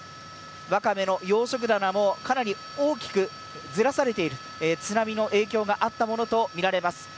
わかめの養殖棚もかなり大きくずらされている津波の影響があったものと見られます。